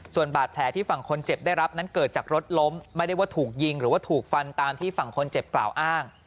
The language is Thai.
ส่วนบาดแผลที่ฝั่งคนเจ็บได้รับนั้นเกิดจากรถล้มไม่ได้ว่าถูกยิงหรือว่าถูกฟันตามที่ฝั่งคนเจ็บกล่าวอ้าง